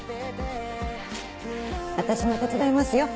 私も手伝いますよ。